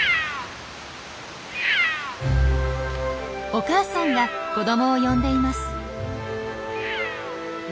お母さんが子どもを呼んでいます。